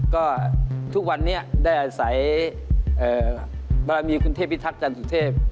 ก็ทุกวันนี้ได้อาศัยบารมีคุณเทพิทักษันสุเทพ